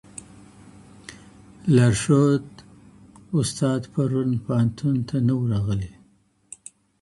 لارښود استاد پرون پوهنتون ته نه و راغلی.